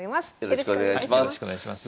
よろしくお願いします。